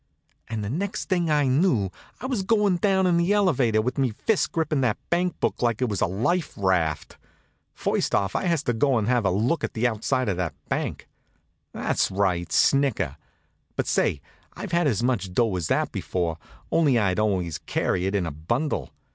And the next thing I knew I was goin' down in the elevator with me fist grippin' that bank book like it was a life raft. First off I has to go and have a look at the outside of that bank. That's right, snicker. But say, I've had as much dough as that before, only I'd always carried it in a bundle.